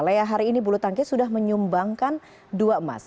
lea hari ini bulu tangkis sudah menyumbangkan dua emas